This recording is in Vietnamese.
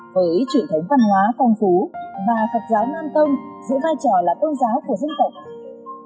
với truyền thống văn hóa phong phú và phật giáo nam tông giữ vai trò là tôn giáo của dân tộc